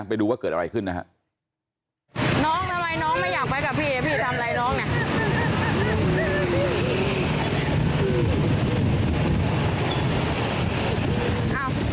ไปดูว่าเกิดอะไรขึ้นนะฮะ